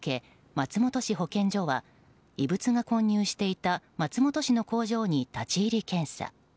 松本市保健所は異物が混入していた松本市の工場に立ち入り検査。